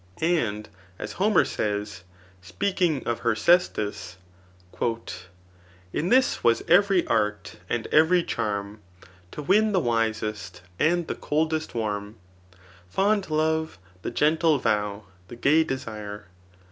And as Homer says, [speaking of her cestus, J In this was every art, and every charm. To win the wisest, and the coldest warm ; Fond love, the gentle vow, the gaj desire.